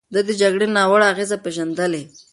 ده د جګړې ناوړه اغېزې پېژندلې.